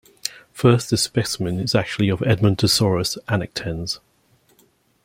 First, the specimen is actually of "Edmontosaurus annectens".